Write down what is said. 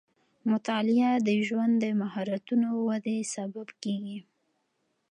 مطالعه د ژوند د مهارتونو ودې سبب کېږي.